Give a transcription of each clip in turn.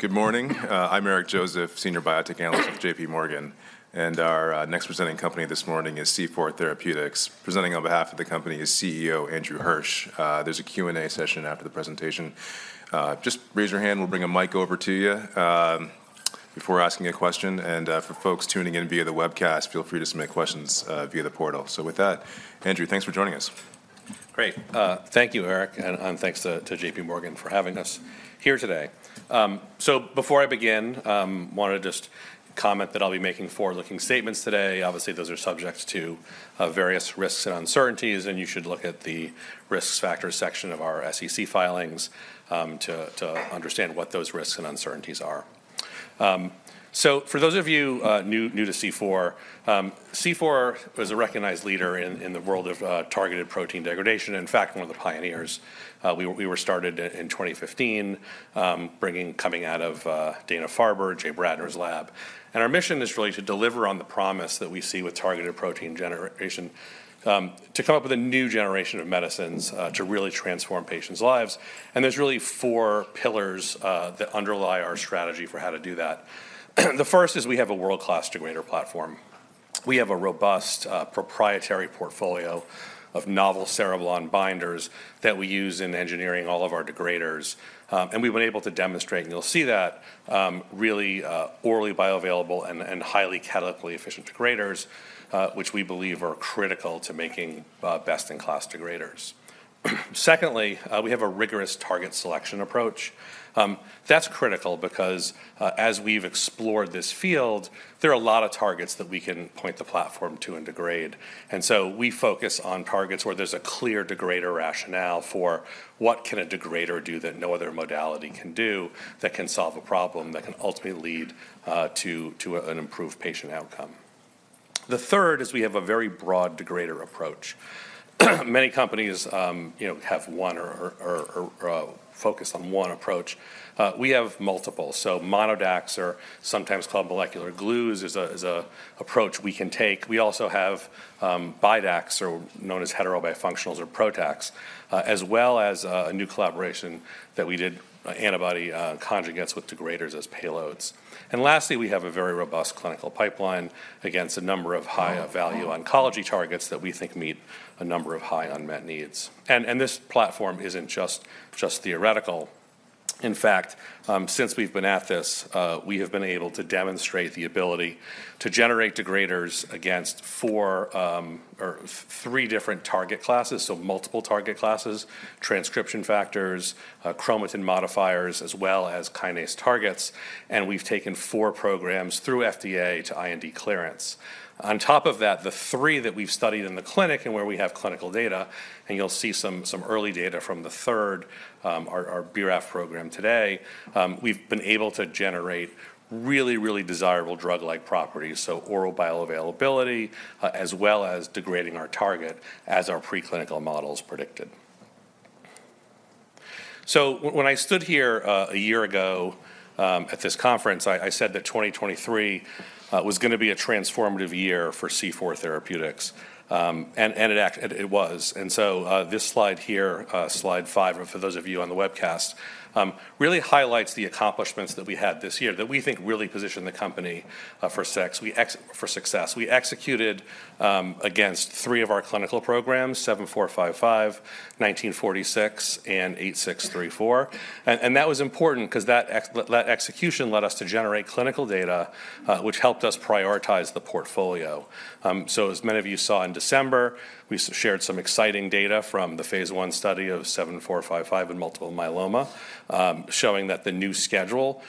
Good morning, I'm Eric Joseph, Senior Biotech Analyst of J.P. Morgan, and our next presenting company this morning is C4 Therapeutics. Presenting on behalf of the company is CEO Andrew Hirsch. There's a Q&A session after the presentation. Just raise your hand, we'll bring a mic over to you, before asking a question, and for folks tuning in via the webcast, feel free to submit questions via the portal. So with that, Andrew, thanks for joining us. Great. Thank you, Eric, and thanks to J.P. Morgan for having us here today. So before I begin, wanna just comment that I'll be making forward-looking statements today. Obviously, those are subject to various risks and uncertainties, and you should look at the risk factors section of our SEC filings to understand what those risks and uncertainties are. So for those of you new to C4, C4 is a recognized leader in the world of targeted protein degradation, in fact, one of the pioneers. We were started in 2015, coming out of Dana-Farber, Jay Bradner's lab. Our mission is really to deliver on the promise that we see with targeted protein degradation, to come up with a new generation of medicines, to really transform patients' lives. There's really four pillars that underlie our strategy for how to do that. The first is we have a world-class degrader platform. We have a robust, proprietary portfolio of novel cereblon binders that we use in engineering all of our degraders, and we've been able to demonstrate, and you'll see that, really, orally bioavailable and highly catalytically efficient degraders, which we believe are critical to making best-in-class degraders. Secondly, we have a rigorous target selection approach. That's critical because, as we've explored this field, there are a lot of targets that we can point the platform to and degrade. And so we focus on targets where there's a clear degrader rationale for what can a degrader do that no other modality can do, that can solve a problem, that can ultimately lead to an improved patient outcome. The third is we have a very broad degrader approach. Many companies, you know, have one or focus on one approach. We have multiple, so MonoDAC, or sometimes called molecular glues, is an approach we can take. We also have BiDAC, or known as heterobifunctionals or PROTAC, as well as a new collaboration that we did, antibody conjugates with degraders as payloads. And lastly, we have a very robust clinical pipeline against a number of high-value oncology targets that we think meet a number of high unmet needs. And this platform isn't just theoretical. In fact, since we've been at this, we have been able to demonstrate the ability to generate degraders against three different target classes, so multiple target classes, transcription factors, chromatin modifiers, as well as kinase targets, and we've taken four programs through FDA to IND clearance. On top of that, the three that we've studied in the clinic and where we have clinical data, and you'll see some early data from the third, our BRAF program today, we've been able to generate really desirable drug-like roperties, so oral bioavailability, as well as degrading our target as our preclinical models predicted. So when I stood here a year ago at this conference, I said that 2023 was gonna be a transformative year for C4 Therapeutics, and it was. So, this slide here, slide 5, and for those of you on the webcast, really highlights the accomplishments that we had this year that we think really position the company for success. We executed against three of our clinical programs, 7455, 1946, and 8634. And that was important 'cause that execution led us to generate clinical data, which helped us prioritize the portfolio. So as many of you saw in December, we shared some exciting data from the phase 1 study of 7455 in multiple myeloma, showing that the new schedule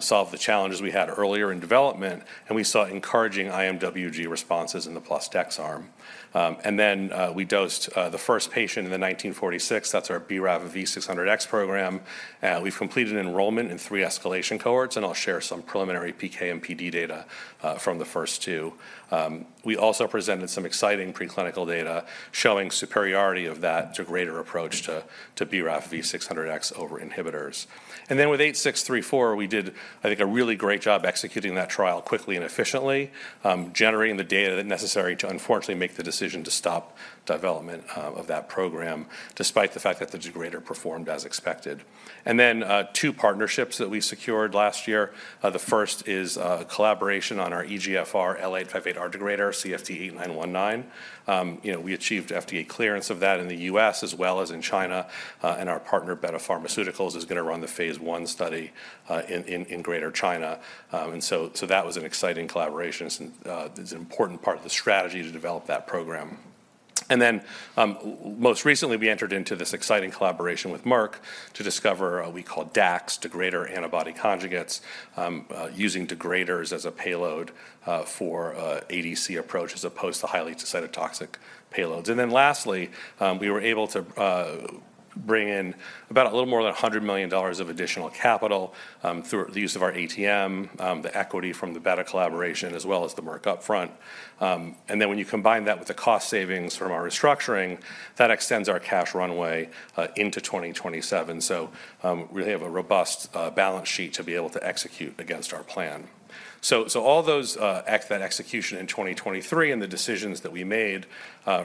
solved the challenges we had earlier in development, and we saw encouraging IMWG responses in the plus dex arm. And then we dosed the first patient in the 1946, that's our BRAF V600X program. We've completed enrollment in 3 escalation cohorts, and I'll share some preliminary PK and PD data from the first 2. We also presented some exciting preclinical data showing superiority of that degrader approach to BRAF V600X over inhibitors. And then with 8634, we did, I think, a really great job executing that trial quickly and efficiently, generating the data necessary to unfortunately make the decision to stop development of that program, despite the fact that the degrader performed as expected. And then 2 partnerships that we secured last year. The first is a collaboration on our EGFR L858R degrader, CFT8919. You know, we achieved FDA clearance of that in the U.S. as well as in China, and our partner, Betta Pharmaceuticals, is gonna run the phase 1 study in Greater China. So, that was an exciting collaboration. It's an important part of the strategy to develop that program. And then, most recently, we entered into this exciting collaboration with Merck to discover what we call DACs Degrader Antibody Conjugates, using degraders as a payload for ADC approach as opposed to highly cytotoxic payloads. And then lastly, we were able to bring in about a little more than $100 million of additional capital through the use of our ATM, the equity from the Betta collaboration, as well as the Merck upfront. And then when you combine that with the cost savings from our restructuring, that extends our cash runway into 2027. We have a robust balance sheet to be able to execute against our plan. All those that execution in 2023 and the decisions that we made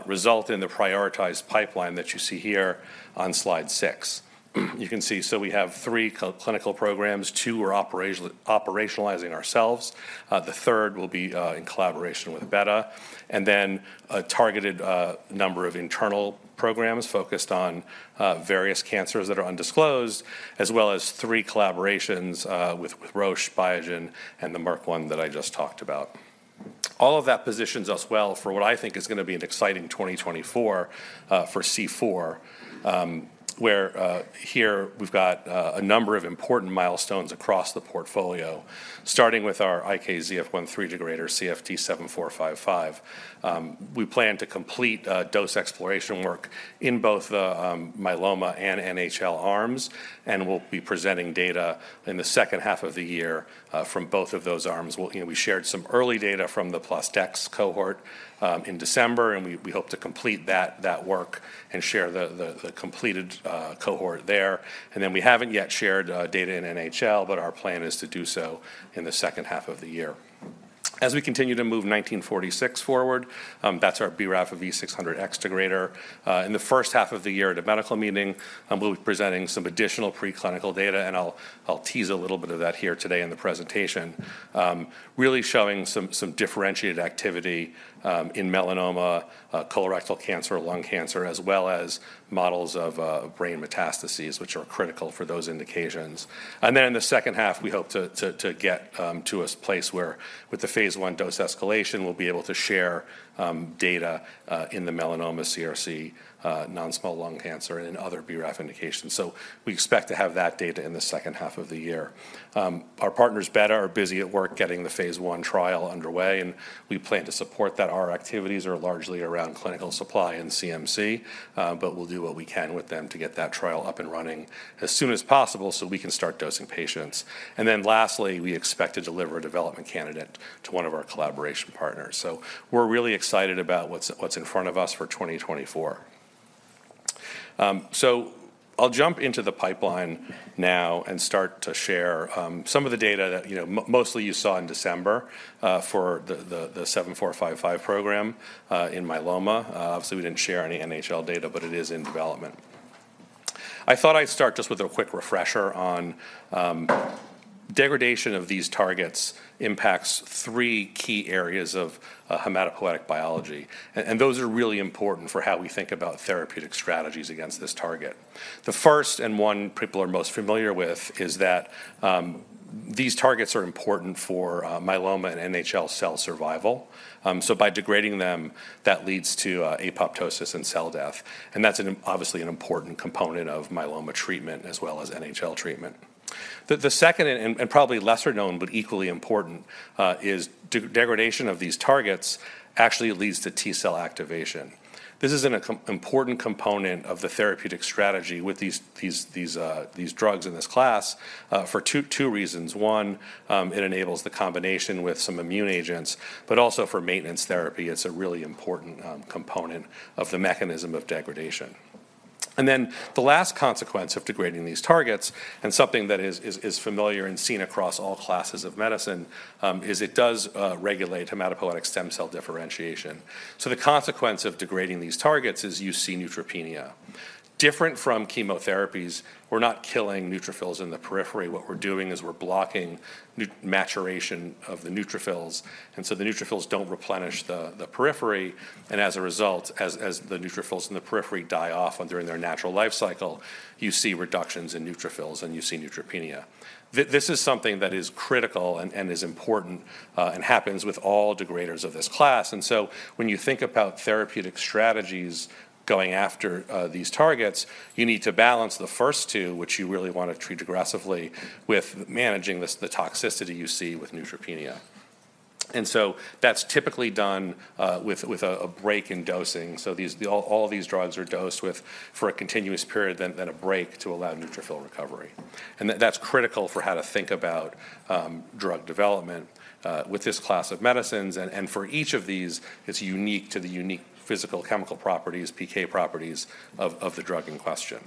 result in the prioritized pipeline that you see here on slide 6. You can see, we have three clinical programs. Two are operationalizing ourselves. The third will be in collaboration with Betta, and then a targeted number of internal programs focused on various cancers that are undisclosed, as well as three collaborations with Roche, Biogen, and the Merck one that I just talked about. All of that positions us well for what I think is gonna be an exciting 2024 for C4, where here we've got a number of important milestones across the portfolio, starting with our IKZF1/3 degrader, CFT7455. We plan to complete dose exploration work in both the myeloma and NHL arms, and we'll be presenting data in the second half of the year from both of those arms. Well, you know, we shared some early data from the plus dex cohort in December, and we hope to complete that work and share the completed cohort there. And then we haven't yet shared data in NHL, but our plan is to do so in the second half of the year. As we continue to move CFT1946 forward, that's our BRAF V600X degrader. In the first half of the year, at a medical meeting, we'll be presenting some additional preclinical data, and I'll tease a little bit of that here today in the presentation. Really showing some differentiated activity in melanoma, colorectal cancer, lung cancer, as well as models of brain metastases, which are critical for those indications. And then in the second half, we hope to get to a place where, with the phase 1 dose escalation, we'll be able to share data in the melanoma CRC, non-small cell lung cancer, and in other BRAF indications. So we expect to have that data in the second half of the year. Our partners, Betta, are busy at work getting the phase one trial underway, and we plan to support that. Our activities are largely around clinical supply and CMC, but we'll do what we can with them to get that trial up and running as soon as possible, so we can start dosing patients. And then lastly, we expect to deliver a development candidate to one of our collaboration partners. So we're really excited about what's in front of us for 2024. So I'll jump into the pipeline now and start to share some of the data that, you know, mostly you saw in December for the 7455 program in myeloma. So we didn't share any NHL data, but it is in development. I thought I'd start just with a quick refresher on degradation of these targets impacts three key areas of hematopoietic biology, and those are really important for how we think about therapeutic strategies against this target. The first, and one people are most familiar with, is that these targets are important for myeloma and NHL cell survival. So by degrading them, that leads to apoptosis and cell death, and that's obviously an important component of myeloma treatment as well as NHL treatment. The second and probably lesser known, but equally important, is degradation of these targets actually leads to T-cell activation. This is an important component of the therapeutic strategy with these drugs in this class for two reasons. One, it enables the combination with some immune agents, but also for maintenance therapy. It's a really important component of the mechanism of degradation. And then the last consequence of degrading these targets, and something that is familiar and seen across all classes of medicine, is it does regulate hematopoietic stem cell differentiation. So the consequence of degrading these targets is you see neutropenia. Different from chemotherapies, we're not killing neutrophils in the periphery. What we're doing is we're blocking maturation of the neutrophils, and so the neutrophils don't replenish the periphery, and as a result, as the neutrophils in the periphery die off during their natural life cycle, you see reductions in neutrophils, and you see neutropenia. This is something that is critical and is important, and happens with all degraders of this class. When you think about therapeutic strategies going after these targets, you need to balance the first two, which you really want to treat aggressively, with managing the toxicity you see with neutropenia. That's typically done with a break in dosing. So all of these drugs are dosed for a continuous period, then a break to allow neutrophil recovery. That's critical for how to think about drug development with this class of medicines. For each of these, it's unique to the unique physical chemical properties, PK properties of the drug in question.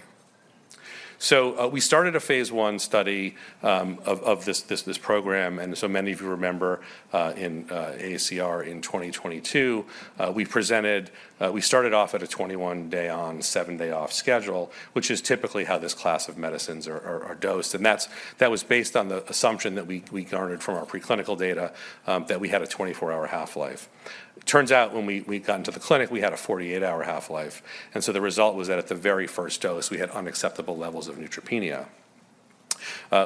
So, we started a phase 1 study of this program, and so many of you remember, in AACR in 2022, we started off at a 21-day-on, 7-day-off schedule, which is typically how this class of medicines are dosed. That was based on the assumption that we garnered from our preclinical data that we had a 24-hour half-life. Turns out, when we got into the clinic, we had a 48-hour half-life, and so the result was that at the very first dose, we had unacceptable levels of neutropenia.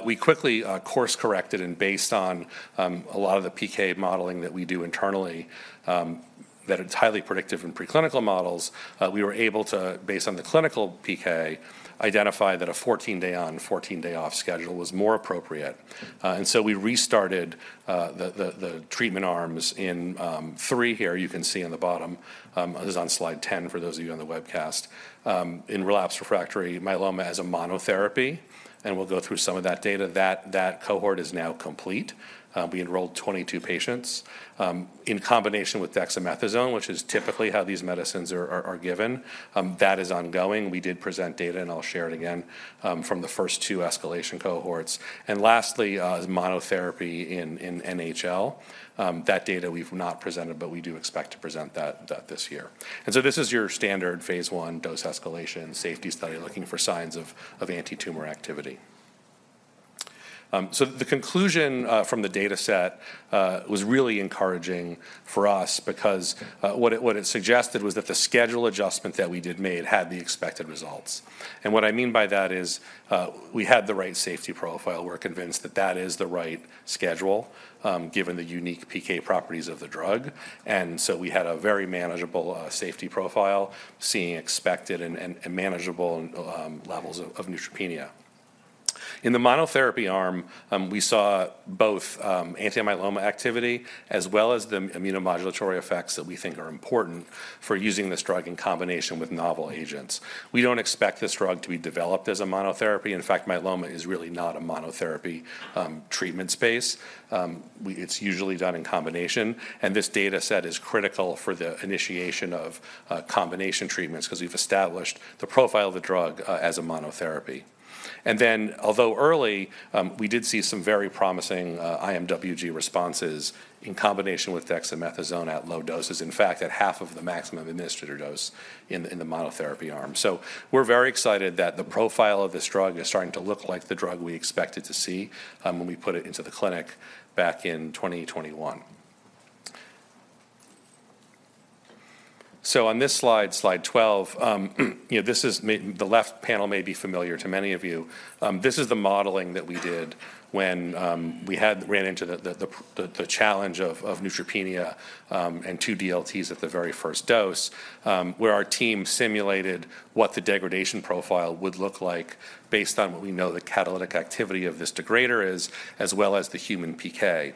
We quickly course-corrected, and based on a lot of the PK modeling that we do internally, that it's highly predictive in preclinical models, we were able to, based on the clinical PK, identify that a 14-day-on, 14-day-off schedule was more appropriate. And so we restarted the treatment arms in three here, you can see in the bottom. This is on slide 10 for those of you on the webcast. In relapse refractory myeloma as a monotherapy, and we'll go through some of that data, that cohort is now complete. We enrolled 22 patients in combination with dexamethasone, which is typically how these medicines are given. That is ongoing. We did present data, and I'll share it again from the first two escalation cohorts. And lastly is monotherapy in NHL. That data we've not presented, but we do expect to present that this year. So this is your standard phase 1 dose escalation safety study, looking for signs of antitumor activity. So the conclusion from the data set was really encouraging for us because what it suggested was that the schedule adjustment that we did had the expected results. And what I mean by that is, we had the right safety profile. We're convinced that that is the right schedule, given the unique PK properties of the drug, and so we had a very manageable safety profile, seeing expected and manageable levels of neutropenia. In the monotherapy arm, we saw both, anti-myeloma activity, as well as the immunomodulatory effects that we think are important for using this drug in combination with novel agents. We don't expect this drug to be developed as a monotherapy. In fact, myeloma is really not a monotherapy, treatment space. It's usually done in combination, and this data set is critical for the initiation of, combination treatments 'cause we've established the profile of the drug, as a monotherapy. And then, although early, we did see some very promising, IMWG responses in combination with dexamethasone at low doses. In fact, at half of the maximum administered dose in the monotherapy arm. So we're very excited that the profile of this drug is starting to look like the drug we expected to see, when we put it into the clinic back in 2021. So on this slide, slide 12, you know, this is the left panel may be familiar to many of you. This is the modeling that we did when we had ran into the challenge of neutropenia, and 2 DLTs at the very first dose, where our team simulated what the degradation profile would look like based on what we know the catalytic activity of this degrader is, as well as the human PK.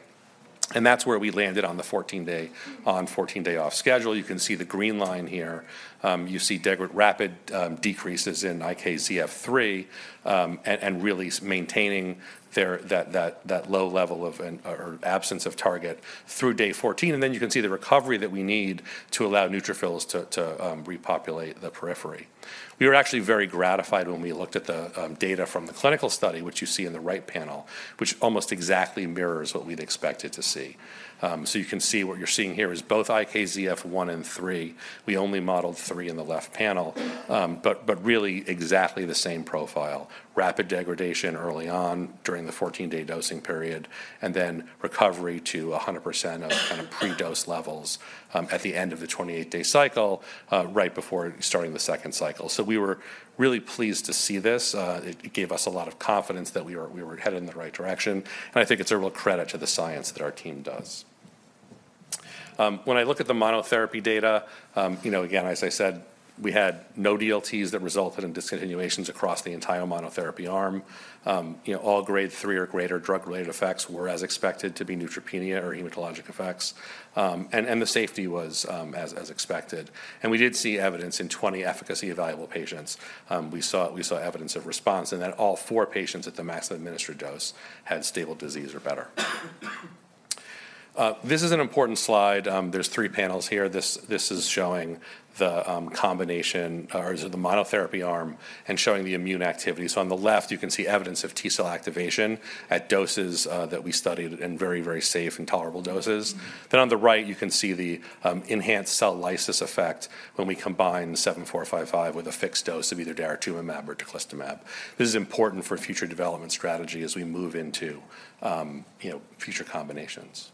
And that's where we landed on the 14-day on, 14-day off schedule. You can see the green line here. You see rapid decreases in IKZF3, and really maintaining that low level or absence of target through day 14, and then you can see the recovery that we need to allow neutrophils to repopulate the periphery. We were actually very gratified when we looked at the data from the clinical study, which you see in the right panel, which almost exactly mirrors what we'd expected to see. So you can see what you're seeing here is both IKZF1 and IKZF3. We only modeled IKZF3 in the left panel, but really exactly the same profile: rapid degradation early on during the 14-day dosing period, and then recovery to 100% of kind of pre-dose levels at the end of the 28-day cycle, right before starting the second cycle. We were really pleased to see this. It gave us a lot of confidence that we were headed in the right direction, and I think it's a real credit to the science that our team does. When I look at the monotherapy data, you know, again, as I said, we had no DLTs that resulted in discontinuations across the entire monotherapy arm. You know, all grade 3 or greater drug-related effects were as expected to be neutropenia or hematologic effects, and the safety was as expected. And we did see evidence in 20 efficacy-evaluable patients. We saw evidence of response, and that all 4 patients at the maximum administered dose had stable disease or better. This is an important slide. There's 3 panels here. This is showing the combination, or the monotherapy arm, and showing the immune activity. So on the left, you can see evidence of T cell activation at doses that we studied in very, very safe and tolerable doses. Then on the right, you can see the enhanced cell lysis effect when we combine 7455 with a fixed dose of either daratumumab or teclistamab. This is important for future development strategy as we move into, you know, future combinations.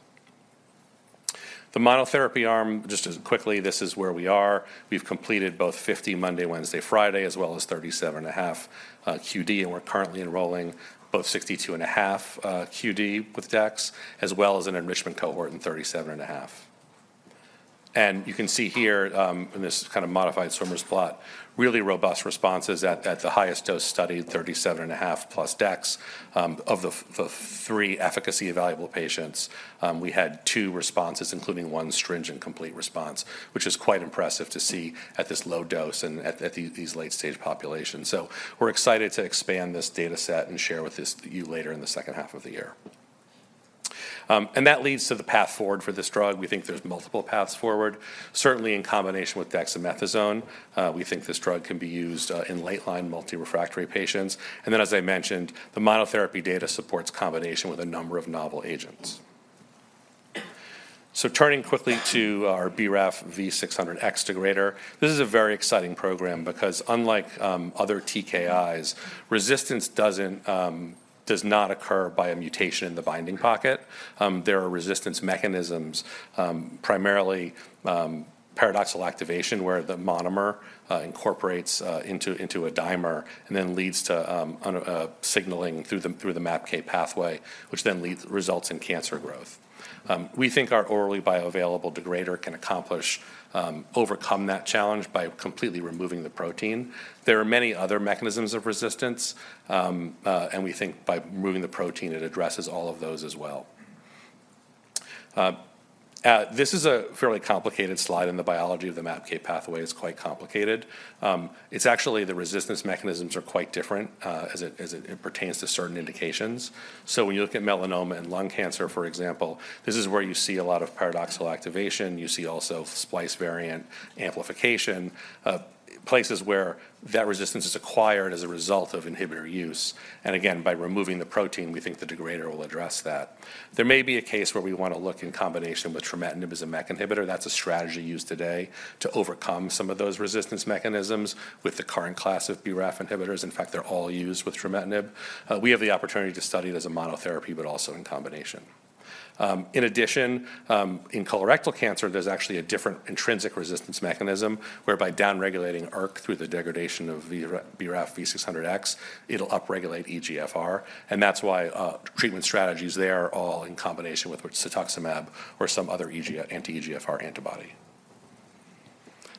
The monotherapy arm, just as quickly, this is where we are. We've completed both 50 Monday, Wednesday, Friday, as well as 37.5 QD, and we're currently enrolling both 62.5 QD with dex, as well as an enrichment cohort in 37.5. You can see here in this kind of modified Swimmer's plot, really robust responses at the highest dose studied, 37.5 + dex. Of the three efficacy-evaluable patients, we had two responses, including one stringent complete response, which is quite impressive to see at this low dose and at these late-stage populations. So we're excited to expand this data set and share with you later in the second half of the year. And that leads to the path forward for this drug. We think there's multiple paths forward. Certainly, in combination with dexamethasone, we think this drug can be used in late-line multi-refractory patients. And then, as I mentioned, the monotherapy data supports combination with a number of novel agents. So turning quickly to our BRAF V600X degrader, this is a very exciting program because unlike other TKIs, resistance doesn't does not occur by a mutation in the binding pocket. There are resistance mechanisms, primarily paradoxical activation, where the monomer incorporates into a dimer and then leads to un- signaling through the MAPK pathway, which then leads to results in cancer growth. We think our orally bioavailable degrader can accomplish overcome that challenge by completely removing the protein. There are many other mechanisms of resistance, and we think by removing the protein, it addresses all of those as well.... This is a fairly complicated slide, and the biology of the MAPK pathway is quite complicated. It's actually, the resistance mechanisms are quite different, as it pertains to certain indications. So when you look at melanoma and lung cancer, for example, this is where you see a lot of paradoxical activation. You see also splice variant amplification, places where that resistance is acquired as a result of inhibitor use. And again, by removing the protein, we think the degrader will address that. There may be a case where we want to look in combination with trametinib as a MEK inhibitor. That's a strategy used today to overcome some of those resistance mechanisms with the current class of BRAF inhibitors. In fact, they're all used with trametinib. We have the opportunity to study it as a monotherapy, but also in combination. In addition, in colorectal cancer, there's actually a different intrinsic resistance mechanism, whereby downregulating ERK through the degradation of BRAF V600X, it'll upregulate EGFR, and that's why treatment strategies, they are all in combination with cetuximab or some other anti-EGFR antibody.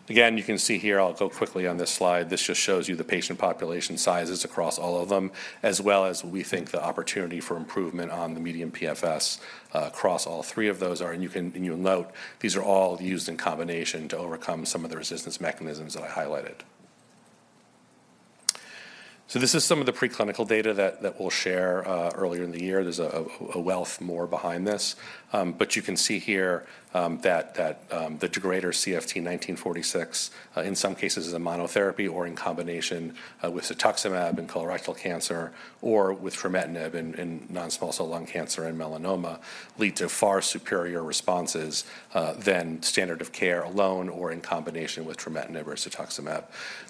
Again, you can see here, I'll go quickly on this slide. This just shows you the patient population sizes across all of them, as well as we think the opportunity for improvement on the median PFS across all three of those are, and you'll note, these are all used in combination to overcome some of the resistance mechanisms that I highlighted. So this is some of the preclinical data that we'll share earlier in the year. There's a wealth more behind this. But you can see here, that the degrader CFT1946, in some cases, as a monotherapy or in combination, with cetuximab in colorectal cancer, or with trametinib in non-small cell lung cancer and melanoma, lead to far superior responses, than standard of care alone or in combination with trametinib or cetuximab.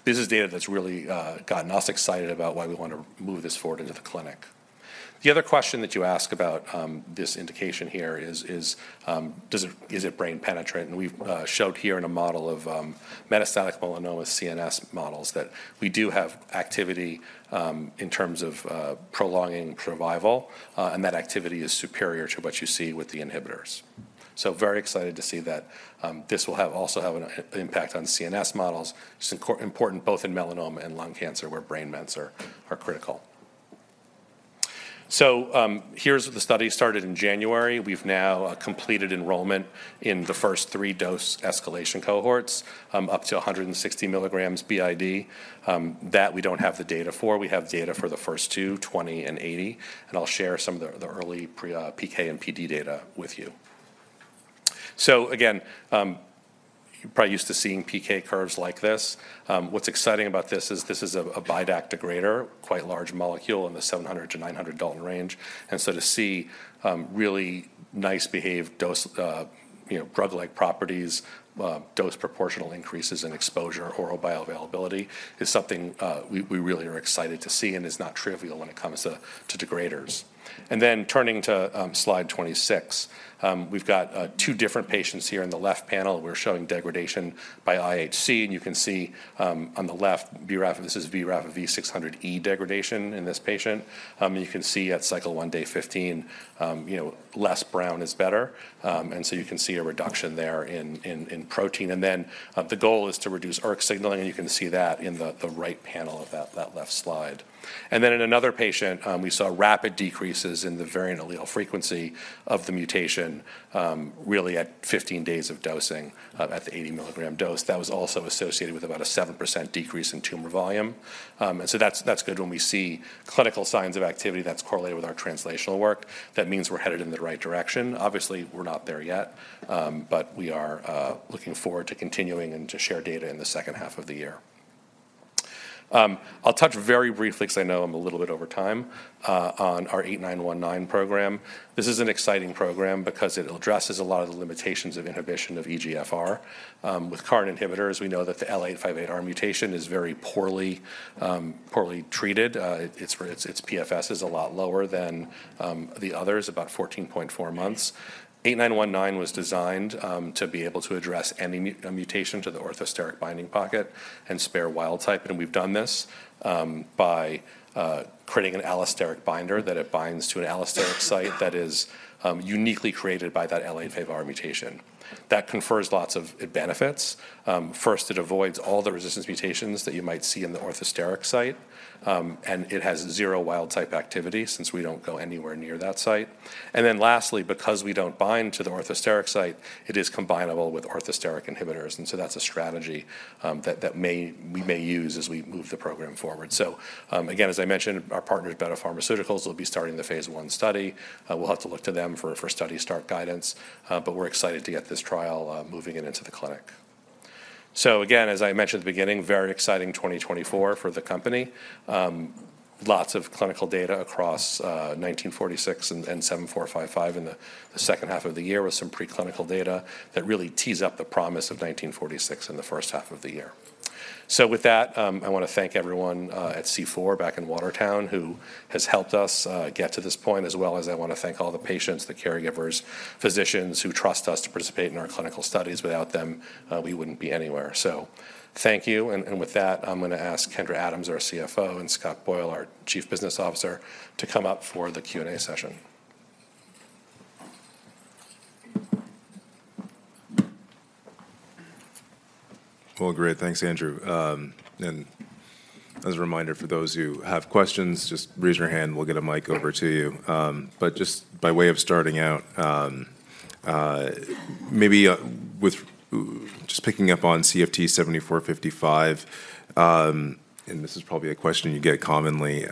This is data that's really gotten us excited about why we want to move this forward into the clinic. The other question that you ask about this indication here is, is it brain penetrant? And we've showed here in a model of metastatic melanoma CNS models, that we do have activity in terms of prolonging survival, and that activity is superior to what you see with the inhibitors. So very excited to see that this will also have an impact on CNS models. It's important both in melanoma and lung cancer, where brain mets are critical. So, here's the study, started in January. We've now completed enrollment in the first three dose escalation cohorts, up to 160 milligrams BID. That we don't have the data for. We have data for the first two, 20 and 80, and I'll share some of the early PK and PD data with you. So again, you're probably used to seeing PK curves like this. What's exciting about this is this is a BiDAC degrader, quite large molecule in the 700-900 Dalton range. And so to see really nice behaved dose, you know, drug-like properties, dose proportional increases in exposure, oral bioavailability, is something we really are excited to see and is not trivial when it comes to degraders. And then turning to slide 26, we've got two different patients here. In the left panel, we're showing degradation by IHC, and you can see on the left, BRAF, this is BRAF V600E degradation in this patient. You can see at cycle one, day 15, you know, less brown is better. And so you can see a reduction there in protein. And then the goal is to reduce ERK signaling, and you can see that in the right panel of that left slide. In another patient, we saw rapid decreases in the variant allele frequency of the mutation, really at 15 days of dosing, at the 80 milligram dose. That was also associated with about a 7% decrease in tumor volume. And so that's good when we see clinical signs of activity that's correlated with our translational work. That means we're headed in the right direction. Obviously, we're not there yet, but we are looking forward to continuing and to share data in the second half of the year. I'll touch very briefly, 'cause I know I'm a little bit over time, on our 8919 program. This is an exciting program because it addresses a lot of the limitations of inhibition of EGFR. With current inhibitors, we know that the L858R mutation is very poorly treated. Its PFS is a lot lower than the others, about 14.4 months. CFT8919 was designed to be able to address any mutation to the orthosteric binding pocket and spare wild type, and we've done this by creating an allosteric binder, that it binds to an allosteric site that is uniquely created by that L858R mutation. That confers lots of benefits. First, it avoids all the resistance mutations that you might see in the orthosteric site, and it has zero wild type activity, since we don't go anywhere near that site. And then lastly, because we don't bind to the orthosteric site, it is combinable with orthosteric inhibitors, and so that's a strategy that we may use as we move the program forward. So, again, as I mentioned, our partner at Betta Pharmaceuticals will be starting the phase 1 study. We'll have to look to them for study start guidance, but we're excited to get this trial moving it into the clinic. So again, as I mentioned at the beginning, very exciting 2024 for the company. Lots of clinical data across 1946 and 7455 in the second half of the year, with some preclinical data that really tees up the promise of 1946 in the first half of the year. So with that, I wanna thank everyone at C4 back in Watertown, who has helped us get to this point, as well as I want to thank all the patients, the caregivers, physicians who trust us to participate in our clinical studies. Without them, we wouldn't be anywhere. So thank you, and with that, I'm gonna ask Kendra Adams, our CFO, and Scott Boyle, our Chief Business Officer, to come up for the Q&A session. ... Well, great. Thanks, Andrew. And as a reminder, for those who have questions, just raise your hand, we'll get a mic over to you. But just by way of starting out, maybe with just picking up on CFT7455, and this is probably a question you get commonly.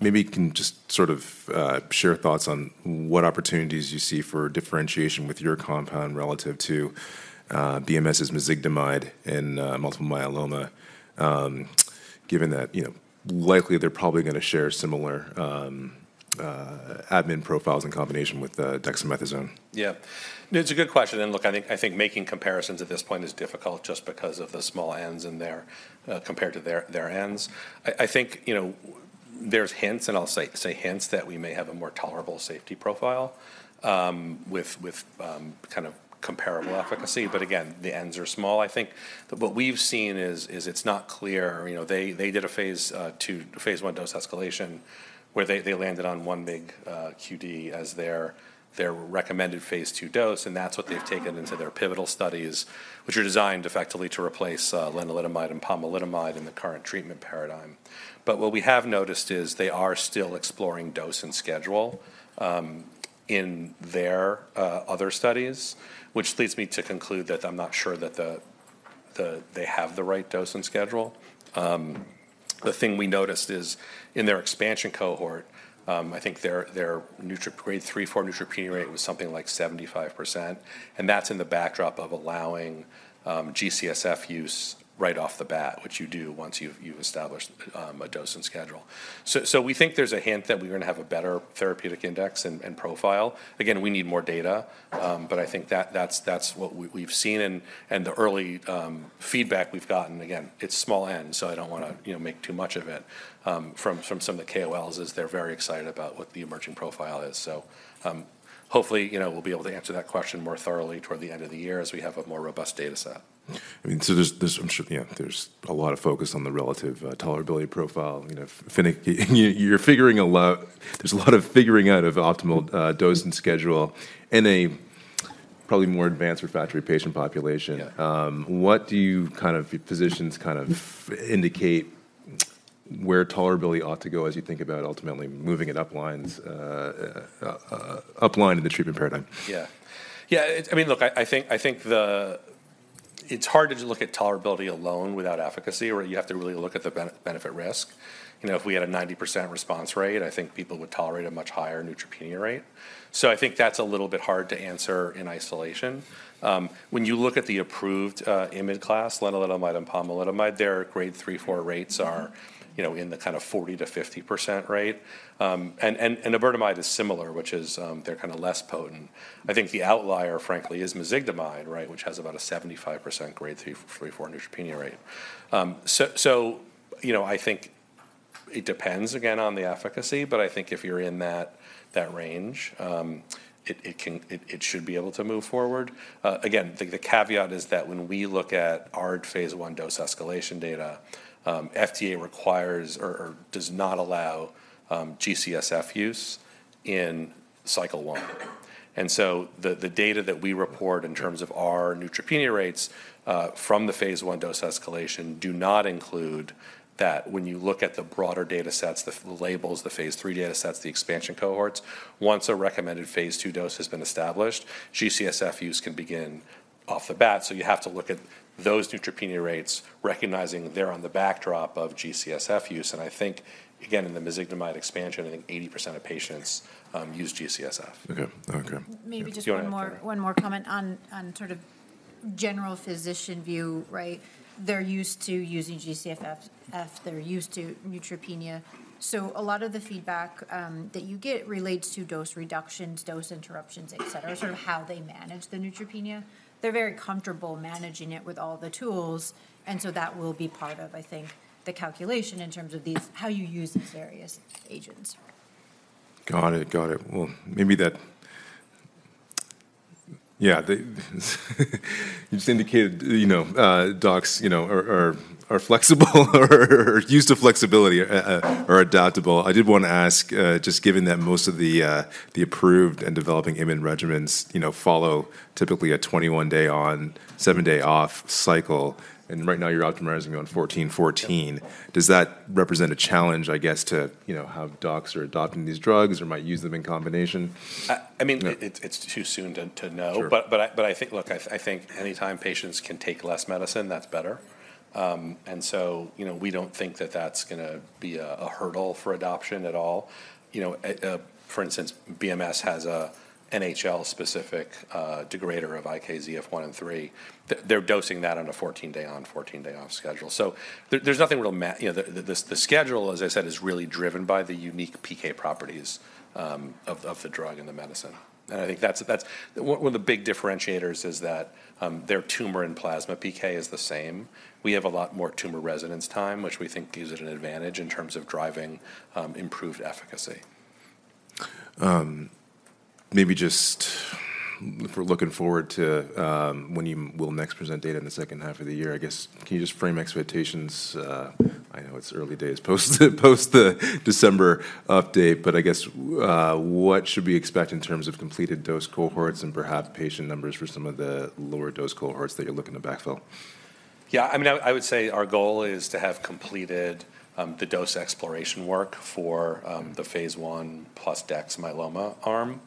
Maybe you can just sort of share thoughts on what opportunities you see for differentiation with your compound relative to BMS' mezigdomide and multiple myeloma, given that, you know, likely they're probably gonna share similar admin profiles in combination with dexamethasone. Yeah. It's a good question, and look, I think making comparisons at this point is difficult just because of the small ends in there compared to their ends. I think, you know, there's hints, and I'll say hints that we may have a more tolerable safety profile with kind of comparable efficacy, but again, the ends are small. I think what we've seen is it's not clear. You know, they did a phase 2-phase 1 dose escalation, where they landed on 1 mg QD as their recommended phase 2 dose, and that's what they've taken into their pivotal studies, which are designed effectively to replace lenalidomide and pomalidomide in the current treatment paradigm. But what we have noticed is they are still exploring dose and schedule in their other studies, which leads me to conclude that I'm not sure that they have the right dose and schedule. The thing we noticed is in their expansion cohort, I think their grade 3-4 neutropenia rate was something like 75%, and that's in the backdrop of allowing GCSF use right off the bat, which you do once you've established a dose and schedule. So we think there's a hint that we're gonna have a better therapeutic index and profile. Again, we need more data, but I think that's what we've seen, and the early feedback we've gotten—again, it's small n, so I don't wanna, you know, make too much of it from some of the KOLs—is they're very excited about what the emerging profile is. So, hopefully, you know, we'll be able to answer that question more thoroughly toward the end of the year as we have a more robust data set. I mean, so there's, I'm sure, yeah, there's a lot of focus on the relative tolerability profile, you know, you're figuring a lot—there's a lot of figuring out of optimal dose and schedule in a probably more advanced refractory patient population. Yeah. What do you, kind of, physicians kind of indicate where tolerability ought to go as you think about ultimately moving it up lines, up line in the treatment paradigm? Yeah. Yeah, I mean, look, I think it's hard to just look at tolerability alone without efficacy, or you have to really look at the benefit risk. You know, if we had a 90% response rate, I think people would tolerate a much higher neutropenia rate. So I think that's a little bit hard to answer in isolation. When you look at the approved IMID class, lenalidomide and pomalidomide, their grade 3/4 rates are, you know, in the kind of 40%-50% rate. And avadomide is similar, which is, they're kinda less potent. I think the outlier, frankly, is mezigdomide, right, which has about a 75% grade 3/4 neutropenia rate. So, you know, I think it depends again on the efficacy, but I think if you're in that range, it should be able to move forward. Again, the caveat is that when we look at our phase 1 dose escalation data, FDA requires or does not allow GCSF use in cycle one. And so, the data that we report in terms of our neutropenia rates from the phase 1 dose escalation do not include that. When you look at the broader data sets, the labels, the phase 3 data sets, the expansion cohorts, once a recommended phase 2 dose has been established, GCSF use can begin off the bat. So you have to look at those neutropenia rates, recognizing they're on the backdrop of GCSF use, and I think, again, in the mezigdomide expansion, I think 80% of patients use GCSF. Okay. Okay. Maybe just one more- Go ahead... one more comment on sort of general physician view, right? They're used to using GCSF. They're used to neutropenia. So a lot of the feedback that you get relates to dose reductions, dose interruptions, et cetera, sort of how they manage the neutropenia. They're very comfortable managing it with all the tools, and so that will be part of, I think, the calculation in terms of these, how you use these various agents. Got it. Got it. Well, maybe that... Yeah, you just indicated, you know, docs, you know, are flexible or are used to flexibility, or adaptable. I did wanna ask, just given that most of the approved and developing IMID regimens, you know, follow typically a 21 day on, 7 day off cycle, and right now, you're optimizing on 14, 14. Yeah. Does that represent a challenge, I guess, to, you know, how docs are adopting these drugs or might use them in combination? I mean- You know... it's too soon to know. Sure. Look, I think anytime patients can take less medicine, that's better. And so, you know, we don't think that's gonna be a hurdle for adoption at all. You know, for instance, BMS has a NHL-specific degrader of IKZF1/3. They're dosing that on a 14-day on, 14 day off schedule. You know, the schedule, as I said, is really driven by the unique PK properties of the drug and the medicine. And I think that's... One of the big differentiators is that their tumor and plasma PK is the same. We have a lot more tumor residence time, which we think gives it an advantage in terms of driving improved efficacy. Maybe just if we're looking forward to when you will next present data in the second half of the year, I guess, can you just frame expectations? I know it's early days post- post the December update, but I guess, what should we expect in terms of completed dose cohorts and perhaps patient numbers for some of the lower dose cohorts that you're looking to backfill?... Yeah, I mean, I would say our goal is to have completed the dose exploration work for the phase 1 plus dex myeloma arm.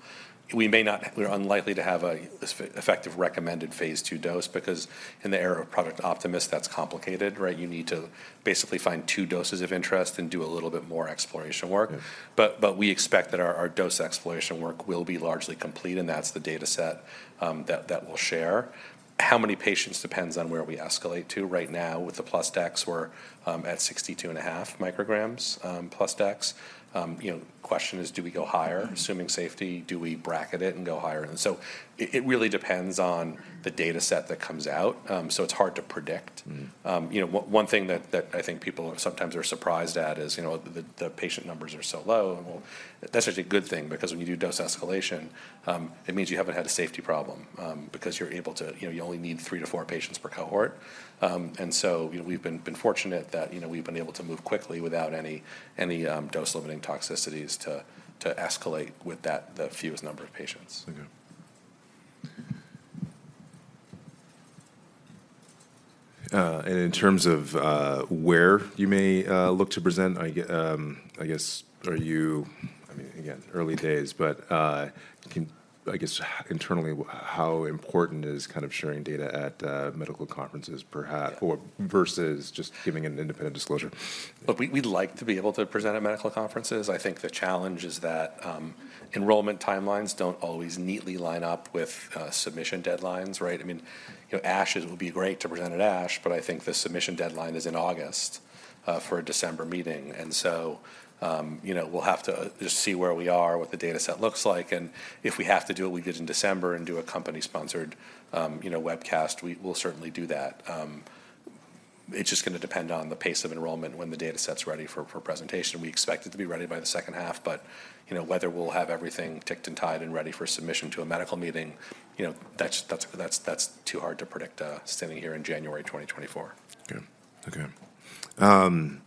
We're unlikely to have an effective recommended phase 2 dose because in the era of Project Optimus, that's complicated, right? You need to basically find 2 doses of interest and do a little bit more exploration work. Mm-hmm. But we expect that our dose exploration work will be largely complete, and that's the data set that we'll share. How many patients depends on where we escalate to. Right now, with the plus dex, we're at 62.5 micrograms, plus dex. You know, question is: do we go higher? Mm-hmm. Assuming safety, do we bracket it and go higher? And so it really depends on- Mm-hmm... the data set that comes out, so it's hard to predict. Mm-hmm. You know, one thing that I think people sometimes are surprised at is, you know, the patient numbers are so low, and well, that's actually a good thing because when you do dose escalation, it means you haven't had a safety problem, because you're able to, you know, you only need 3-4 patients per cohort. And so, you know, we've been fortunate that, you know, we've been able to move quickly without any dose-limiting toxicities to escalate with that, the fewest number of patients. Okay. And in terms of where you may look to present, I guess—I mean, again, early days, but—I guess, internally, how important is kind of sharing data at medical conferences perhaps or versus just giving an independent disclosure? Look, we, we'd like to be able to present at medical conferences. I think the challenge is that, enrollment timelines don't always neatly line up with, submission deadlines, right? I mean, you know, ASH is-- It would be great to present at ASH, but I think the submission deadline is in August, for a December meeting. And so, you know, we'll have to just see where we are, what the data set looks like, and if we have to do it, we do it in December and do a company-sponsored, you know, webcast. We'll certainly do that. It's just gonna depend on the pace of enrollment when the data set's ready for, for presentation. We expect it to be ready by the second half, but, you know, whether we'll have everything ticked and tied and ready for submission to a medical meeting, you know, that's too hard to predict, standing here in January 2024. Okay. Okay.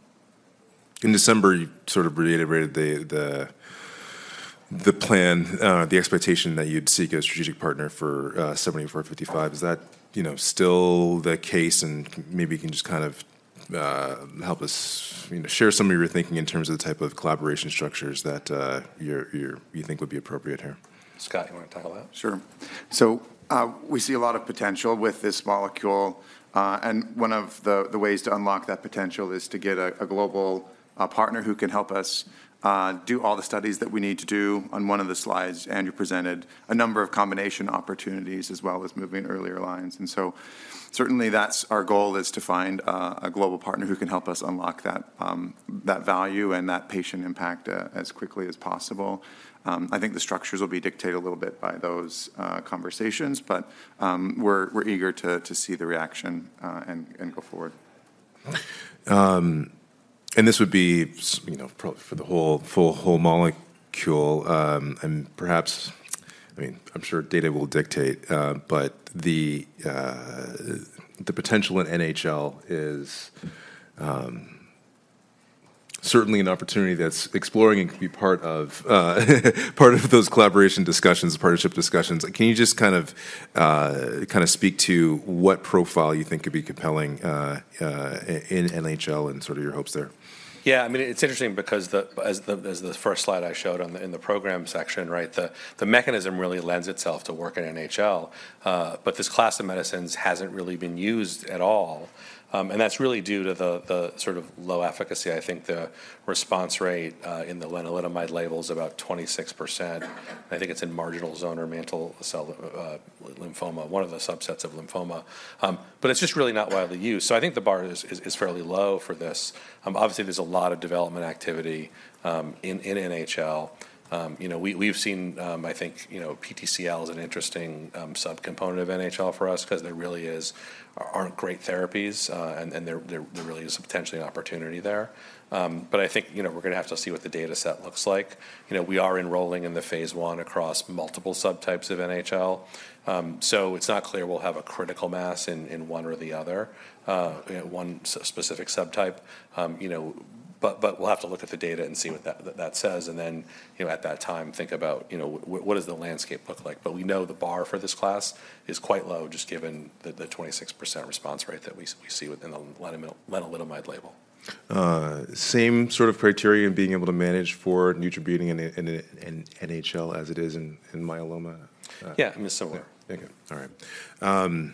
In December, you sort of reiterated the plan, the expectation that you'd seek a strategic partner for 7455. Is that, you know, still the case? And maybe you can just kind of help us, you know, share some of your thinking in terms of the type of collaboration structures that you're you think would be appropriate here. Scott, you want to talk about it? Sure. So, we see a lot of potential with this molecule, and one of the ways to unlock that potential is to get a global partner who can help us do all the studies that we need to do. On one of the slides, Andrew presented a number of combination opportunities, as well as moving earlier lines, and so certainly, that's our goal is to find a global partner who can help us unlock that value and that patient impact as quickly as possible. I think the structures will be dictated a little bit by those conversations, but we're eager to see the reaction and go forward. And this would be, you know, for the whole molecule, and perhaps—I mean, I'm sure data will dictate, but the potential in NHL is certainly an opportunity that's exploring and could be part of those collaboration discussions, partnership discussions. Can you just kind of speak to what profile you think could be compelling in NHL and sort of your hopes there? Yeah, I mean, it's interesting because as the first slide I showed on the in the program section, right? The mechanism really lends itself to work in NHL, but this class of medicines hasn't really been used at all, and that's really due to the sort of low efficacy. I think the response rate in the lenalidomide label is about 26%. I think it's in marginal zone or mantle cell lymphoma, one of the subsets of lymphoma. But it's just really not widely used, so I think the bar is fairly low for this. Obviously, there's a lot of development activity in NHL. You know, we've seen.. I think, you know, PTCL is an interesting subcomponent of NHL for us 'cause there really aren't great therapies, and there really is potentially an opportunity there. But I think, you know, we're gonna have to see what the data set looks like. You know, we are enrolling in the phase 1 across multiple subtypes of NHL. So it's not clear we'll have a critical mass in one or the other, you know, one specific subtype. You know, but we'll have to look at the data and see what that says, and then, you know, at that time, think about, you know, what does the landscape look like? We know the bar for this class is quite low, just given the 26% response rate that we see within the lenalidomide label. Same sort of criteria being able to manage for neutropenia in the NHL as it is in myeloma? Yeah, similar. Okay. All right.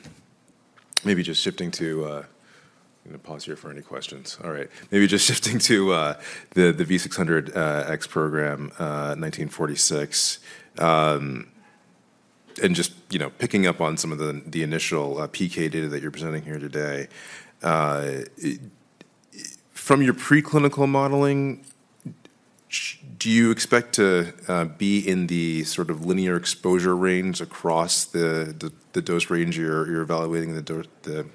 Maybe just shifting to... I'm gonna pause here for any questions. All right. Maybe just shifting to the V600X program, CFT1946. And just, you know, picking up on some of the initial PK data that you're presenting here today, from your preclinical modeling, do you expect to be in the sort of linear exposure range across the dose range you're evaluating in the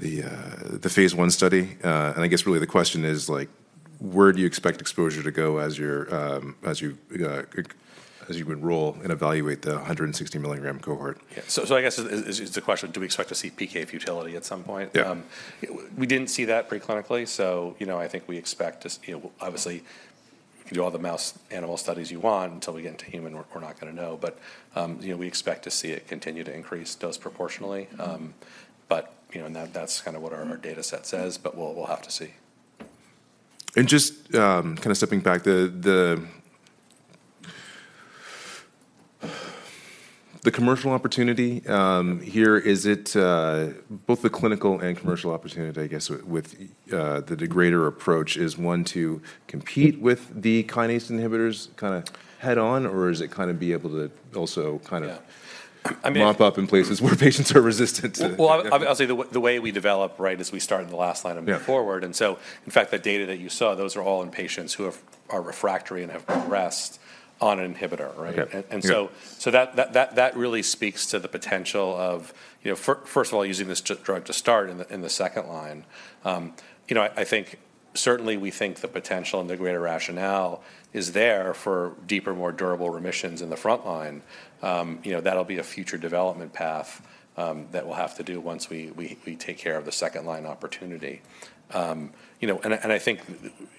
phase 1 study? And I guess, really, the question is, like, where do you expect exposure to go as you enroll and evaluate the 160-milligram cohort? Yeah. So I guess it's a question, do we expect to see PK futility at some point? Yeah. We didn't see that preclinically, so, you know, I think we expect to, you know, obviously. You can do all the mouse animal studies you want, until we get into human, we're not gonna know. But, you know, we expect to see it continue to increase dose proportionally. But, you know, and that, that's kind of what our- Mm-hmm... data set says, but we'll, we'll have to see. And just kind of stepping back, the commercial opportunity here, is it both the clinical and commercial opportunity, I guess, with the degrader approach, is one to compete with the kinase inhibitors kind of head-on? Or is it kind of be able to also kind of- Yeah. I mean- Mop up in places where patients are resistant to- Well, I'll say the way we develop, right, is we start in the last line and move forward. Yeah. In fact, that data that you saw, those are all in patients who are refractory and have progressed on an inhibitor right? Okay. Yeah. So that really speaks to the potential of, you know, first of all, using this drug to start in the second line. You know, I think certainly we think the potential and the greater rationale is there for deeper, more durable remissions in the front line. You know, that'll be a future development path that we'll have to do once we take care of the second-line opportunity. You know, and I think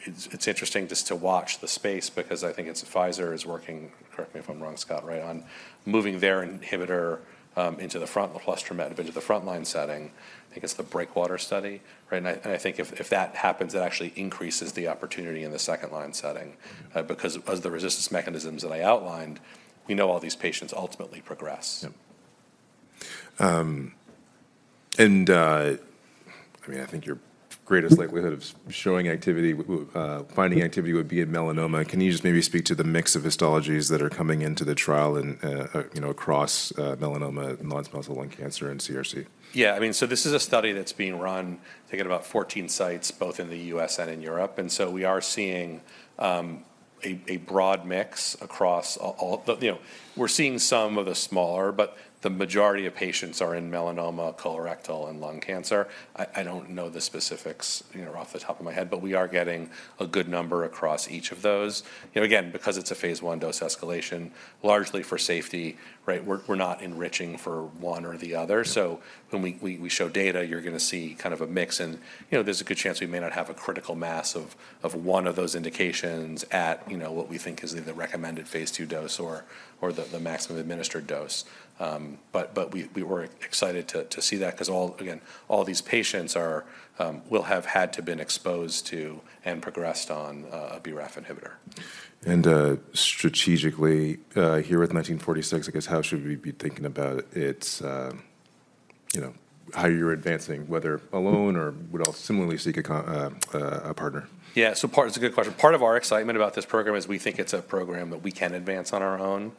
it's interesting just to watch the space because I think it's Pfizer is working, correct me if I'm wrong, Scott, right, on moving their inhibitor into the front-line encorafenib into the front-line setting. I think it's the Breakwater study, right? And I think if that happens, it actually increases the opportunity in the second-line setting. Mm-hmm. Because of the resistance mechanisms that I outlined, we know all these patients ultimately progress. Yeah. I mean, I think your greatest likelihood of showing activity, finding activity would be in melanoma. Can you just maybe speak to the mix of histologies that are coming into the trial and, you know, across, melanoma, Non-Small Cell Lung Cancer, and CRC? Yeah, I mean, so this is a study that's being run, I think, at about 14 sites, both in the U.S. and in Europe, and so we are seeing a broad mix across all the, you know... We're seeing some of the smaller, but the majority of patients are in melanoma, colorectal, and lung cancer. I don't know the specifics, you know, off the top of my head, but we are getting a good number across each of those. You know, again, because it's a phase I dose escalation, largely for safety, right? We're not enriching for one or the other. Mm-hmm. So when we show data, you're gonna see kind of a mix, and, you know, there's a good chance we may not have a critical mass of one of those indications at, you know, what we think is the recommended phase II dose or the maximum administered dose. But we were excited to see that 'cause all, again, all these patients are, will have had to have been exposed to and progressed on a BRAF inhibitor. Strategically, here with 1946, I guess, how should we be thinking about its, you know, how you're advancing, whether alone or would also similarly seek a partner? Yeah. That's a good question. Part of our excitement about this program is we think it's a program that we can advance on our own.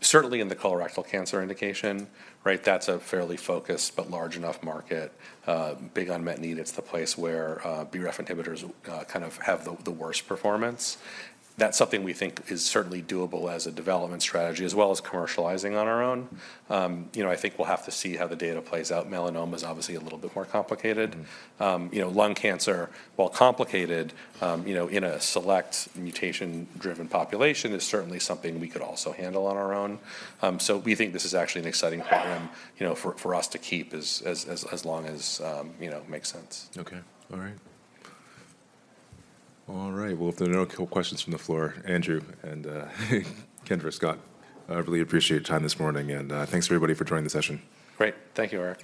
Certainly in the colorectal cancer indication, right? That's a fairly focused but large enough market, big unmet need. It's the place where BRAF inhibitors kind of have the worst performance. That's something we think is certainly doable as a development strategy, as well as commercializing on our own. You know, I think we'll have to see how the data plays out. Melanoma is obviously a little bit more complicated. Mm-hmm. You know, lung cancer, while complicated, you know, in a select mutation-driven population, is certainly something we could also handle on our own. So we think this is actually an exciting program, you know, for us to keep as long as, you know, it makes sense. Okay. All right. All right, well, if there are no more questions from the floor, Andrew and Kendra, Scott, I really appreciate your time this morning, and thanks, everybody, for joining the session. Great. Thank you, Eric.